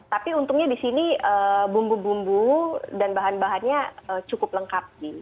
tapi untungnya di sini bumbu bumbu dan bahan bahannya cukup lengkap